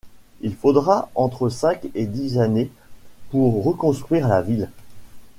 Il faudra entre cinq et dix années pour reconstruire la ville.